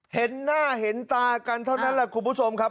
เห็นหน้าเห็นตากันเท่านั้นแหละคุณผู้ชมครับ